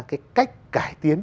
cái cách cải tiến